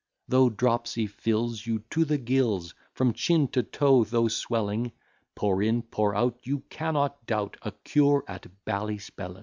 Though dropsy fills you to the gills, From chin to toe though swelling, Pour in, pour out, you cannot doubt A cure at Ballyspellin.